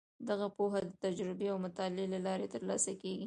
دغه پوهه د تجربې او مطالعې له لارې ترلاسه کیږي.